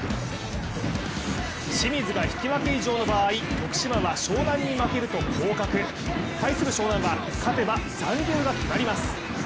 清水が引き分け以上の場合徳島は湘南に負けると降格、対する湘南は、勝てば残留が決まります。